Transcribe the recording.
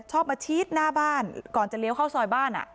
ชอบมาชี้หน้าบ้านก่อนจะเลี้ยวเข้าซอยบ้าน